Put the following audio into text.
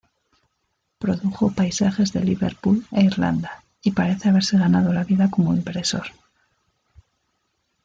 Produjo paisajes de Liverpool e Irlanda, y parece haberse ganado la vida como impresor.